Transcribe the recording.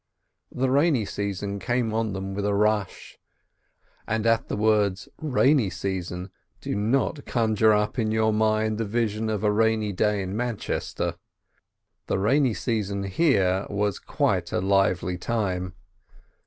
The rainy season came on them with a rush, and at the words "rainy season" do not conjure up in your mind the vision of a rainy day in Manchester. The rainy season here was quite a lively time.